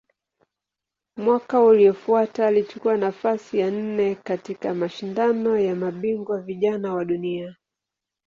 Mwaka uliofuata alichukua nafasi ya nne katika Mashindano ya Mabingwa Vijana wa Dunia.